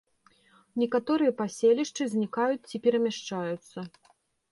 Некаторыя паселішчы знікаюць ці перамяшчаюцца.